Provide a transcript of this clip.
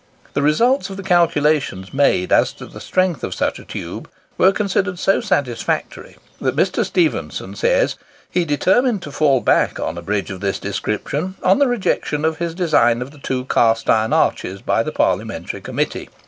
The results of the calculations made as to the strength of such a tube, were considered so satisfactory, that Mr. Stephenson says he determined to fall back on a bridge of this description, on the rejection of his design of the two cast iron arches by the Parliamentary Committee.